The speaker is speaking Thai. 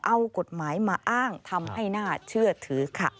เอากฎหมายมาอ้างทำให้น่าเชื่อถือค่ะ